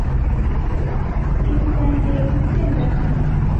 Ibi byanteye gutsinda cyane